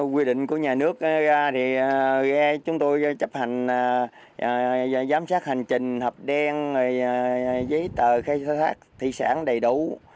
quy định của nhà nước ra thì ghe chúng tôi chấp hành giám sát hành trình hộp đen giấy tờ khai thác thủy sản đầy đủ